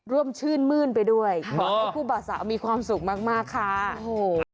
ร่วมชื่นมื้นไปด้วยขอให้ผู้บ่าสาวมีความสุขมากมากค่ะโอ้โห